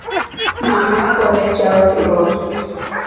Mama akore chao kilosu.